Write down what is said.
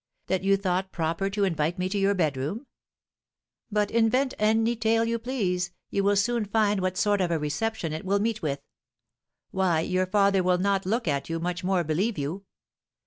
That you thought proper to invite me to your bedroom? But, invent any tale you please, you will soon find what sort of a reception it will meet with. Why, your father will not look at you, much more believe you.'